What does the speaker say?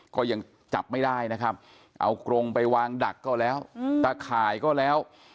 ก็ยังจับไม่ได้นะครับเอากรงไปวางดักก็แล้วตะข่ายก็แล้ว